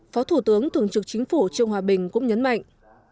phó thủ tướng thường trực chính phủ trương hòa bình cũng nhấn mạnh